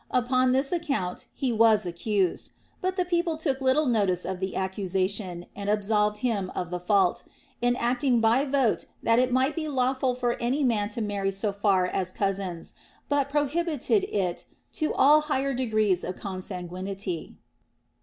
Upon this account he was accused ; but the people took little notice of the accusation, and absolved him of the fault, enacting by vote that it might be lawful for any man to marry so far as cousins, but prohibited it to all higher degrees of con sanguinity.